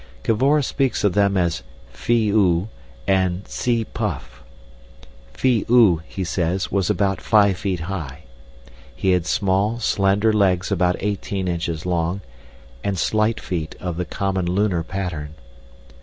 Cavor speaks of them as Phi oo and Tsi puff. Phi oo, he says, was about 5 feet high; he had small slender legs about 18 inches long, and slight feet of the common lunar pattern.